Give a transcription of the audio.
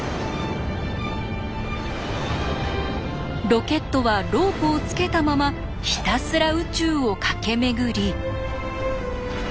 ロケットはロープをつけたままひたすら宇宙を駆け巡り。